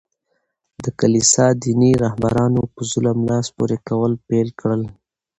د کلیسا دیني رهبرانو په ظلم لاس پوري کول پېل کړل.